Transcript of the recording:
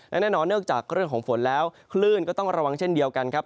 และแน่นอนนอกจากเรื่องของฝนแล้วคลื่นก็ต้องระวังเช่นเดียวกันครับ